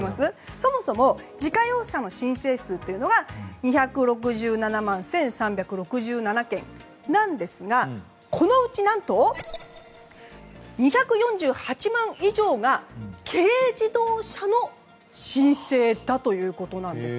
そもそも自家用車の申請数というのが２６７万１３６７件なんですがこのうち何と２４８万以上が軽自動車の申請だということなんです。